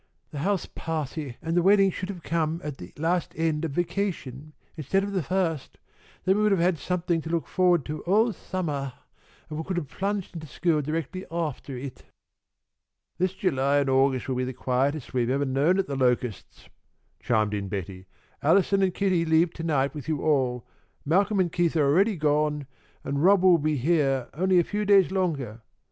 The house pahty and the wedding should have come at the last end of vacation instead of the first, then we would have had something to look forward to all summah, and could have plunged into school directly aftah it." "This July and August will be the quietest we have ever known at The Locusts," chimed in Betty. "Allison and Kitty leave to night with you all, Malcolm and Keith are already gone, and Rob will be here only a few days longer.